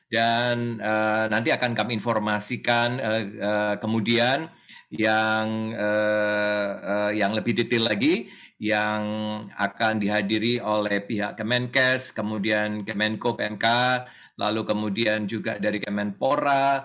dan nanti akan kami informasikan kemudian yang lebih detail lagi yang akan dihadiri oleh pihak kemenkes kemudian kemenko pmk lalu kemudian juga dari kemenpora